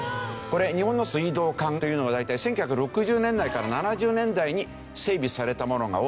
これ日本の水道管というのが大体１９６０年代から７０年代に整備されたものが多い。